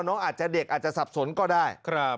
น้องอาจจะเด็กอาจจะสับสนก็ได้